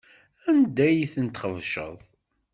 Anda ay ten-txebceḍ?